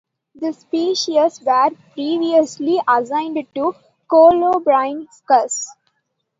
These species were previously assigned to "Coloborhynchus".